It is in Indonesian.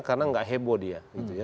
karena tidak heboh dia